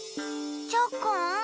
チョコン。